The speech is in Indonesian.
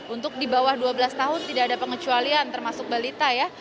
untuk di bawah dua belas tahun tidak ada pengecualian termasuk balita ya